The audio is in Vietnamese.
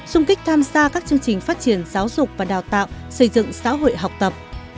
xung kích tham gia các chương trình phát triển giáo dục và đào tạo xây dựng xã hội học tập